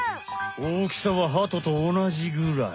おおきさはハトと同じぐらい。